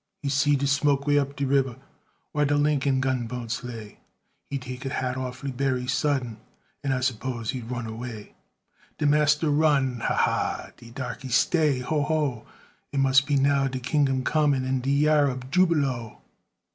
He see de smoke way up de ribber Whar de Lincum gunboats lay; He took he hat an' leff berry sudden, And I spose he's runned away. De massa run, ha, ha! De darkey stay, ho, ho! It mus' be now de kingdum comin', An' de yar ob jubilo.